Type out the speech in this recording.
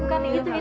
nggak bukan begitu